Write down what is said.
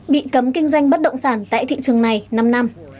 bị cấm kinh doanh bất động sản tại thị trường này năm năm